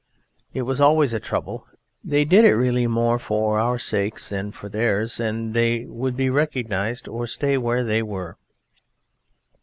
It was always a trouble; they did it really more for our sakes than for theirs and they would be recognised or stay where they were.